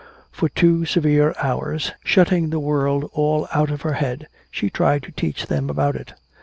For two severe hours, shutting the world all out of her head, she tried to teach them about it.